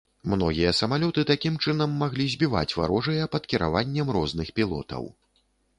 Многія самалёты, такім чынам, маглі збіваць варожыя пад кіраваннем розных пілотаў.